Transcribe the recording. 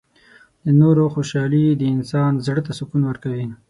• د نورو خوشحالي د انسان زړۀ ته سکون ورکوي.